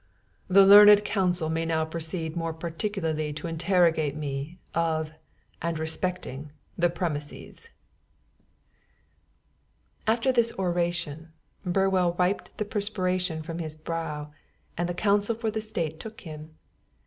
The learned counsel may now proceed more particularly to interrogate me of and respecting the premises." After this oration, Burwell wiped the perspiration from his brow, and the counsel for the state took him.